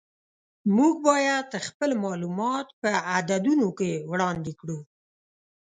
موږ باید خپل معلومات په عددونو کې وړاندې کړو.